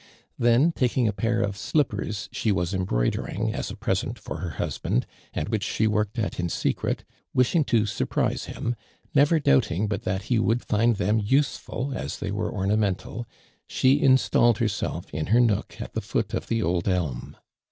Then, taking a pair of slippers she was em broidering as a present for her husband, and which she worked at in secret, wishing to surprise him, never doubting but that he would find them useful as they were oma mental, she installed herself in iier nook at the foot of the old elm.